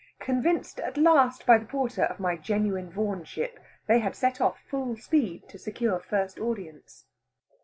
Convinced at last by the porter of my genuine Vaughanship, they had set off full speed to secure first audience.